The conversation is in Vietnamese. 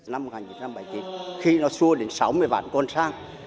năm một nghìn chín trăm bảy mươi chín khi nó xua đến sáu mươi vạn quân sang